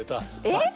えっ？